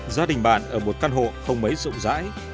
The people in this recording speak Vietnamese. gia đình bạn ở một căn hộ không mấy rộng rãi